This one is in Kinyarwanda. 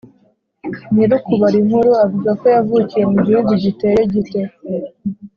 Nyir’ukubara inkuru avuga ko yavukiye mu gihugu giteye gite?